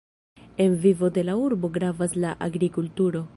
En vivo de la urbo gravas la agrikulturo.